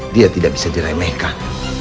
dia tidak bisa diremehkan